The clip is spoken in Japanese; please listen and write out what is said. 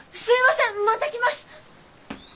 また来ます！